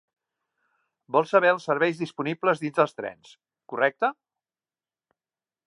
Vol saber els serveis disponibles dins dels trens, correcte?